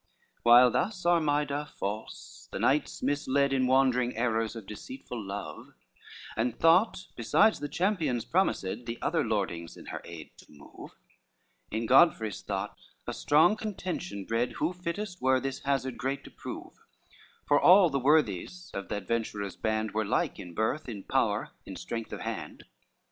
I While thus Armida false the knights misled In wandering errors of deceitful love, And thought, besides the champions promised, The other lordlings in her aid to move, In Godfrey's thought a strong contention bred Who fittest were this hazard great to prove; For all the worthies of the adventures' band Were like in birth, in power, in strength of hand.